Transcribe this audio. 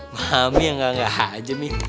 mami yang ga ga aja mi